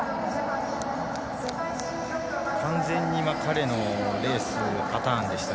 完全に彼のレースパターンでした。